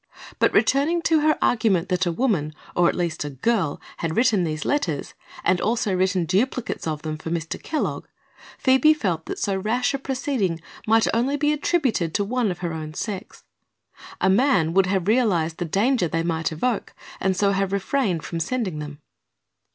But returning to her argument that a woman, or at least a girl, had written these letters, and also written duplicates of them for Mr. Kellogg, Phoebe felt that so rash a proceeding might only be attributed to one of her own sex. A man would have realized the danger they might evoke and so have refrained from sending them.